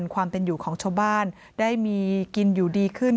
ความเป็นอยู่ของชาวบ้านได้มีกินอยู่ดีขึ้น